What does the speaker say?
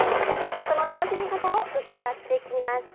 その楽しみ方を伺ってきました。